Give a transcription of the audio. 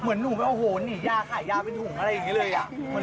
เหมือนหนูแบบโอ้โหหนียาขายยาเป็นถุงอะไรอย่างนี้เลย